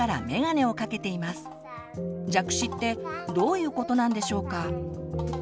「弱視」ってどういうことなんでしょうか。